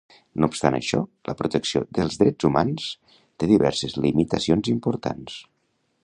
No obstant això, la protecció dels drets humans té diverses limitacions importants.